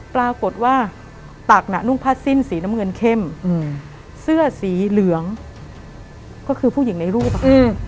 ปรากฏว่าตักน่ะนุ่งผ้าสิ้นสีน้ำเงินเข้มเสื้อสีเหลืองก็คือผู้หญิงในรูปอะค่ะ